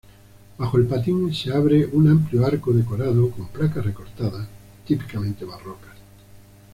Bajo el patín se abre un amplio arco decorado con placas recortadas, típicamente barrocas.